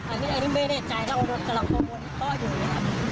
อันนี้ไม่แน่ใจจะรองอวดด้วยพ่ออยู่นะครับ